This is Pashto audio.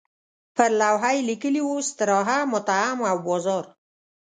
پر لوحه یې لیکلي وو استراحه، مطعم او بازار.